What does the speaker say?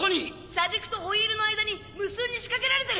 車軸とホイールの間に無数に仕掛けられてる。